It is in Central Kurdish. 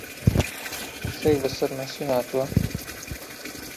شتێک بەسەر موحسین هاتووە؟